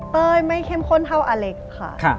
เต้ยไม่เข้มข้นเท่าอเล็กค่ะ